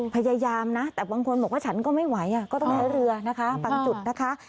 พยายามนะแต่บางคนบอกว่าฉันก็ไม่ไหวก็ต้องใช้เรือนะคะบางจุดนะคะ